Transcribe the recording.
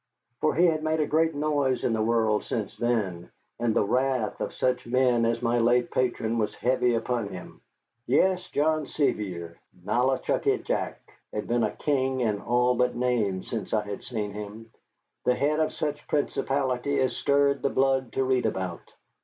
For he had made a great noise in the world since then, and the wrath of such men as my late patron was heavy upon him. Yes, John Sevier, Nollichucky Jack, had been a king in all but name since I had seen him, the head of such a principality as stirred the blood to read about.